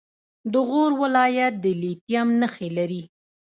د غور ولایت د لیتیم نښې لري.